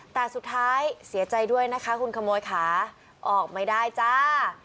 แต่สุดท้ายเสียใจด้วยนะคะคุณขโมยขาออกไม่ได้จ้า